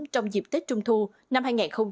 trong dịp tết trung thu năm hai nghìn hai mươi ba